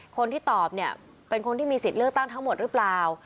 คนที่ตอบเนี่ยเป็นคนที่มีสิทธิ์เลือกตั้งทั้งหมดหรือเปล่า